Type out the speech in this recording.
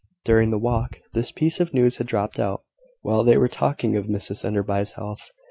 During the walk, this piece of news had dropped out, while they were talking of Mrs Enderby's health.